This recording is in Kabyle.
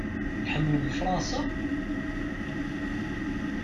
Tḥemmlem Fṛansa?